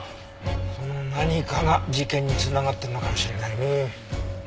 その何かが事件に繋がっているのかもしれないね。